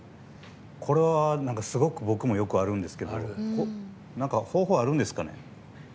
これは、すごく僕もよくあるんですけど方法あるんですかね。